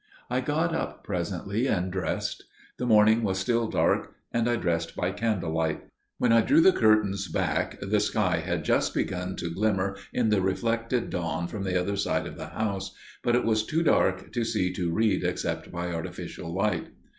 I got up presently and dressed. The morning was still dark, and I dressed by candlelight. When I drew the curtains back the sky had just begun to glimmer in the reflected dawn from the other side of the house; but it was too dark to see to read except by artificial light.